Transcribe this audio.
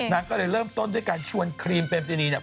นางก็เลยเริ่มต้นด้วยการชวนครีมเปรมซินีเนี่ย